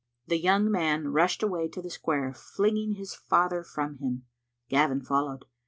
The young man rushed away to the square, flinging his father from him. Gavin followed.